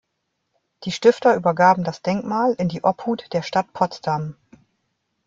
Die Stifter übergaben das Denkmal in die Obhut der Stadt Potsdam.